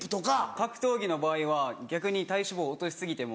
格闘技の場合は逆に体脂肪落とし過ぎても。